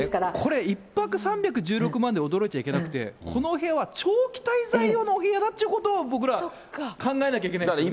これ１泊３１６万で驚いちゃいけなくて、このお部屋は長期滞在用のお部屋だっていうことを、僕ら、考えなきゃいけないんですよね。